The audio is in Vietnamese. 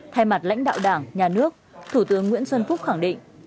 thay mặt lãnh đạo đảng nhà nước thủ tướng nguyễn xuân phúc khẳng định